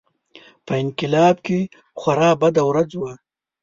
په انقلاب کې خورا بده ورځ وه.